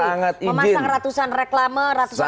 memasang ratusan reklama ratusan balikuh